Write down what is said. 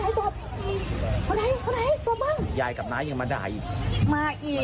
ให้ตบขอให้ตบขอให้ตบคอยให้หย่ายกับน้ายยังมาด่าอีกมาอีก